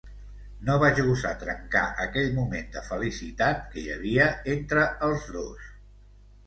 No vaig gosar trencar aquell moment de felicitat que hi havia entre els dos.